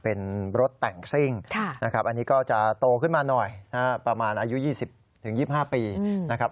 เป็นรถแต่งซิ่งนะครับอันนี้ก็จะโตขึ้นมาหน่อยประมาณอายุ๒๐๒๕ปีนะครับ